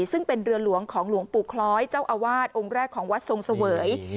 ซึ่งเป็นเรือหลวงของหลวงปู่คล้อยเจ้าอาวาสองค์แรกของวัดทรงเสวย